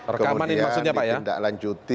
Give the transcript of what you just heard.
rekaman ini maksudnya pak ya